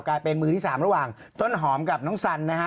กลายเป็นมือที่๓ระหว่างต้นหอมกับน้องสันนะฮะ